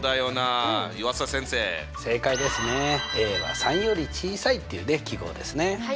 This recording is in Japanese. ３より小さいっていう記号ですね。